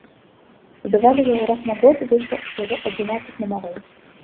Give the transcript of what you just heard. Выдавалі яго раз на год, выйшла ўсяго адзінаццаць нумароў.